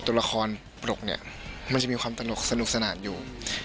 ตัวละครปรกเนี่ยมันจะมีความสนุกสนานอยู่